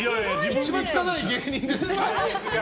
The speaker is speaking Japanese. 一番汚い芸人です。